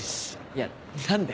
いや何で？